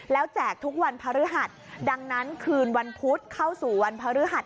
แล้วแจกทุกวันพฤหัสดังนั้นคืนวันพุธเข้าสู่วันพฤหัส